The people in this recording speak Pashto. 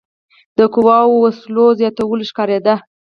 د قواوو او وسلو زیاتوالی ښکارېده.